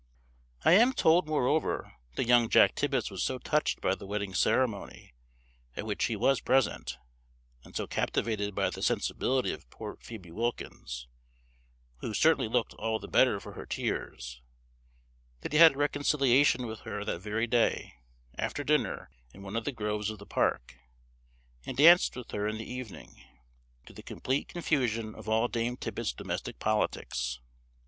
I am told, moreover, that young Jack Tibbets was so touched by the wedding ceremony, at which he was present, and so captivated by the sensibility of poor Phoebe Wilkins, who certainly looked all the better for her tears, that he had a reconciliation with her that very day, after dinner, in one of the groves of the park, and danced with her in the evening; to the complete confusion of all Dame Tibbets' domestic politics.